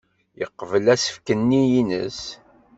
Yeqbel asefk-nni-nnes.